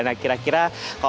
nah kira kira kalau